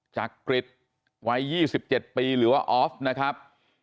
จักริตวัย๒๗ปีหรือว่าออฟนะครับ